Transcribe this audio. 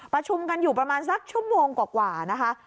ประชุมกันอยู่ประมาณสักชั่วโมงกว่านะคะ